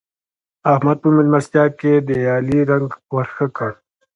احمد په مېلمستيا کې د علي رنګ ور ښه کړ.